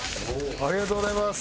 ありがとうございます！